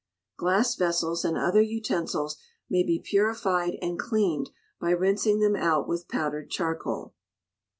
Glass vessels, and other utensils, may be purified and cleaned by rinsing them out with powdered charcoal.